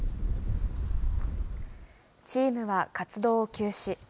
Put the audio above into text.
チームは活動を休止。